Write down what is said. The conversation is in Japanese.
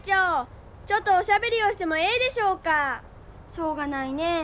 しょうがないね。